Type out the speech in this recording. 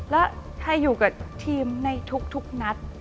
และให้อยู่กับทีมในทุกนัด